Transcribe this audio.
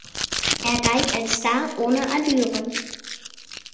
Er galt als Star ohne Allüren.